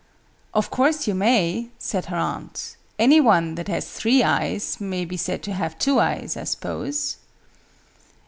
"Of course you may," said her aunt. "Any one, that has three eyes, may be said to have two eyes, I suppose?"